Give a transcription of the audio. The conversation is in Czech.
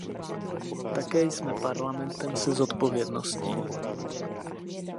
Také jsme parlamentem se zodpovědností.